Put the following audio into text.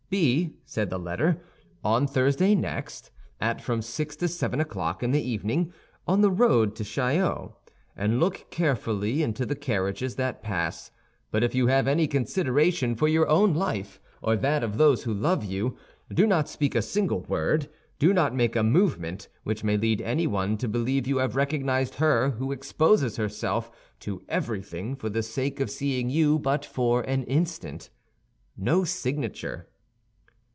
"Be," said the letter, "on Thursday next, at from six to seven o'clock in the evening, on the road to Chaillot, and look carefully into the carriages that pass; but if you have any consideration for your own life or that of those who love you, do not speak a single word, do not make a movement which may lead anyone to believe you have recognized her who exposes herself to everything for the sake of seeing you but for an instant." No signature.